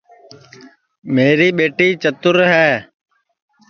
میری ٻیٹی چتر ہے